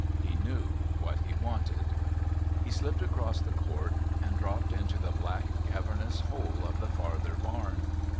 He knew what he wanted. He slipped across the court, and dropped into the black cavernous hole of the farther barn.